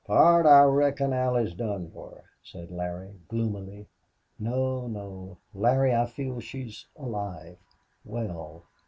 "Pard, I reckon Allie's done for," said Larry, gloomily. "No no! Larry, I feel she's alive well.